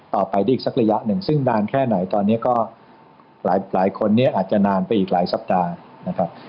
ต่อไปได้อีกสักระยะหนึ่งซึ่งนานแค่ไหนตอนนี้ก็หลายคนเนี่ยอาจจะนานไปอีกหลายสัปดาห์นะครับ